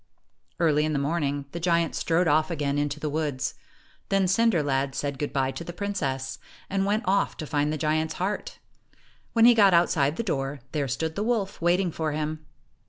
Early in the morning, the giant strode off again into the woods. Then Cinder lad said 1 14 good by to the princess, and went off to find the giant's heart. When he got outside the door, there stood the wolf, waiting for him.